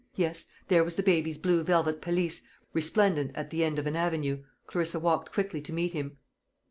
Yes, there was the baby's blue velvet pelisse resplendent at the end of an avenue, Clarissa walked quickly to meet him.